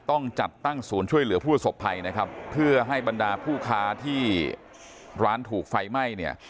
ต้องจัดตั้งศูนย์ช่วยเหลือผู้สบภัยนะครับเพื่อให้บรรดาผู้ค้าที่ร้านถูกไฟไหม้เนี่ย